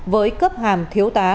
với cấp hàm thiếu tá